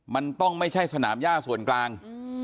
มันต้องไม่ใช่สนามย่าส่วนกลาง